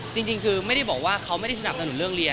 จริงคือไม่ได้บอกว่าเขาไม่ได้สนับสนุนเรื่องเรียน